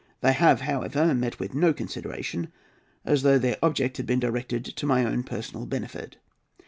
They have, however, met with no consideration, as though their object had been directed to my own personal benefit.